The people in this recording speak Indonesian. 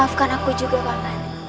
maafkan aku juga bang man